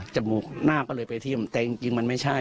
มูกหน้าก็เลยไปเยี่ยมแต่จริงมันไม่ใช่